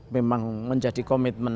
memang menjadi komitmen